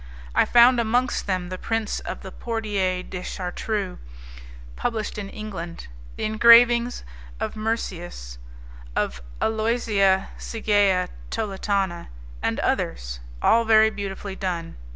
I found amongst them the prints of the Portier des Chartreux, published in England; the engravings of Meursius, of Aloysia Sigea Toletana, and others, all very beautifully done.